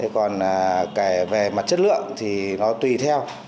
còn về mặt chất lượng thì nó tùy theo